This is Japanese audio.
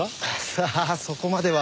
さあそこまでは。